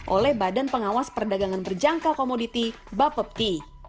oleh badan pengawas perdagangan berjangka komoditi bapepti